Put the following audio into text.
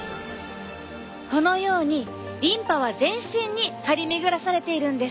このようにリンパは全身に張り巡らされているんです。